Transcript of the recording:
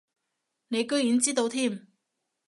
你居然知道添